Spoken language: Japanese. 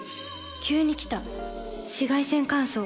急に来た紫外線乾燥。